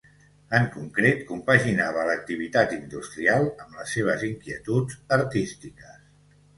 En concret, compaginava l'activitat industrial amb les seves inquietuds artístiques.